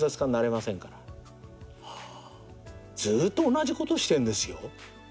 ずーっと同じことしてんですよ。